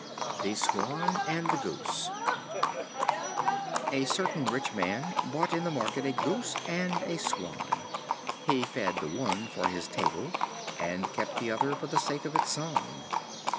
The Swan and the Goose. A certain rich man bought in the market a Goose and a Swan. He fed the one for his table, and kept the other for the sake of its song.